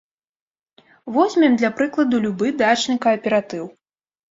Возьмем, для прыкладу, любы дачны кааператыў.